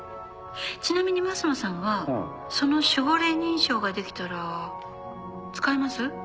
ちなみに升野さんはその守護霊認証が出来たら使います？